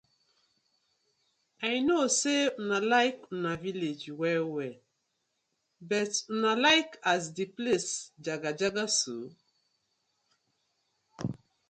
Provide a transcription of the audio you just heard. I no say una like una villag well well but una like as di place jagajaga so?